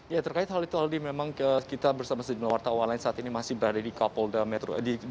ya terkait hal itu aldi memang kita bersama sejumlah wartawan lain saat ini masih berada di kapolda metro